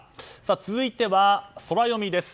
続いては、ソラよみです。